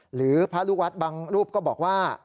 หรือพระลูกวัดบางรูปก็บอกว่า